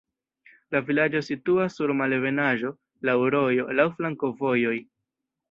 La vilaĝo situas sur malebenaĵo, laŭ rojo, laŭ flankovojoj.